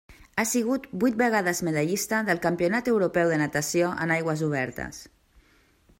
Ha sigut vuit vegades medallista del Campionat europeu de natació en aigües obertes.